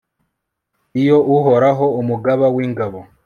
iyo uhoraho, umugaba w'ingabo